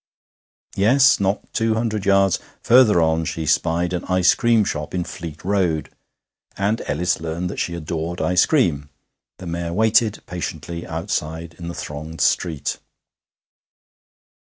Yes! Not two hundred yards further on she spied an ice cream shop in Fleet Road, and Ellis learnt that she adored ice cream. The mare waited patiently outside in the thronged street.